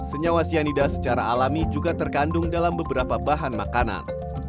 senyawa cyanida secara alami juga terkandung dalam beberapa bahan makanan